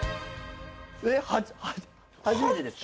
初めてですか？